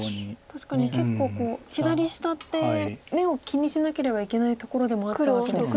確かに結構左下って眼を気にしなければいけないところでもあったわけですが。